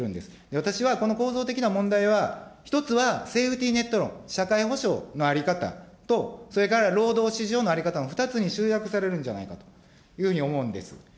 私はこの構造的な問題は、１つはセーフティネット論、社会保障の在り方と、それから労働市場の在り方の２つに集約されるんじゃないかというふうに思うんです。